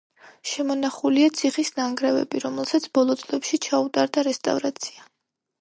შემონახულია ციხის ნანგრევები, რომელსაც ბოლო წლებში ჩაუტარდა რესტავრაცია.